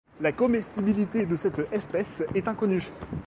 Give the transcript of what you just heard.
La comestibilité de cette espèce est inconnue.